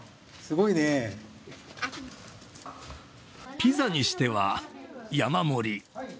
ピザにしては山盛り。